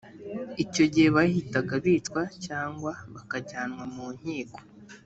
icyo gihe bahitaga bicwa cyangwa bakajyanwa mu nkiko